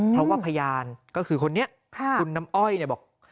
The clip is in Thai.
เพราะว่าพยานก็คือคนนี้คุณน้ำอ้อยเนี่ยบอก